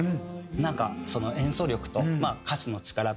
なんか演奏力と歌詞の力と。